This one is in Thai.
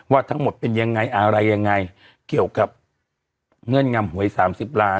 ว่าทั้งหมดเป็นยังไงอะไรยังไงเกี่ยวกับเงื่อนงำหวย๓๐ล้าน